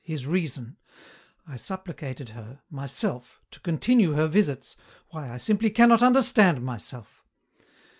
his reason, I supplicated her, myself, to continue her visits, why, I simply cannot understand myself.